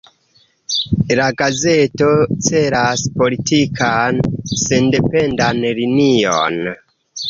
La gazeto celas politikan sendependan linion.